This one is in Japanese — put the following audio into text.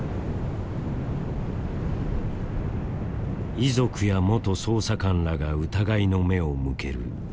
遺族や元捜査官らが疑いの目を向けるサウジアラビア。